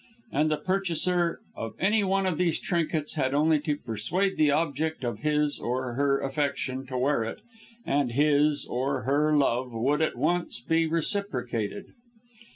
And the purchaser of any one of these trinkets had only to persuade the object of his (or her) affection to wear it, and his (or her) love would at once be reciprocated.